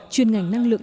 chuyên ngành năng lượng